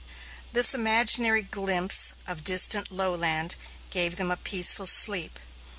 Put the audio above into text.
This imaginary glimpse of distant lowland gave them a peaceful sleep.